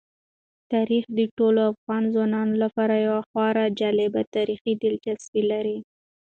تاریخ د ټولو افغان ځوانانو لپاره یوه خورا جالب تاریخي دلچسپي لري.